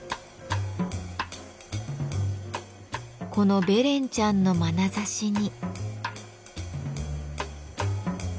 このべレンちゃんのまなざしに。